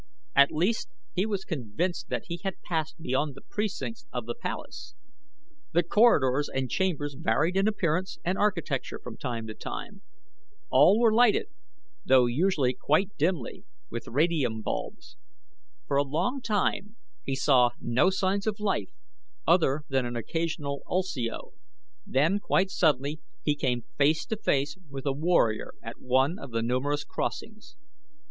At least he was convinced that he had passed beyond the precincts of the palace. The corridors and chambers varied in appearance and architecture from time to time. All were lighted, though usually quite dimly, with radium bulbs. For a long time he saw no signs of life other than an occasional ulsio, then quite suddenly he came face to face with a warrior at one of the numerous crossings.